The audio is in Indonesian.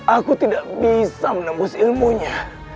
aku tidak bisa menembus ilmunya